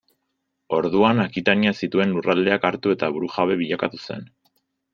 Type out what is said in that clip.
Orduan Akitania zituen lurraldeak hartu eta burujabe bilakatu zen.